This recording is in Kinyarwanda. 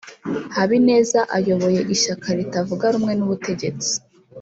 Habineza ayoboye ishyaka ritavuga rumwe n’ubutegetsi